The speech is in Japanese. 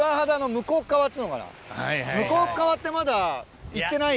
向こう側ってまだ行ってないよね。